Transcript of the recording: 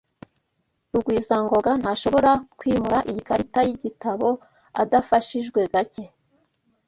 Rugwizangoga ntashobora kwimura iyi karita yigitabo adafashijwe gake.